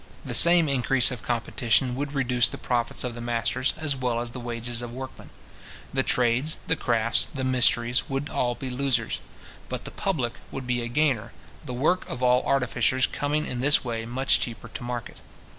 The same increase of competition would reduce the profits of the masters, as well as the wages of workmen. The trades, the crafts, the mysteries, would all be losers. But the public would be a gainer, the work of all artificers coming in this way much cheaper to market.